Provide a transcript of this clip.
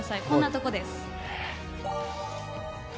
こんなところです。